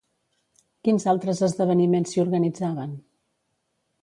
Quins altres esdeveniments s'hi organitzaven?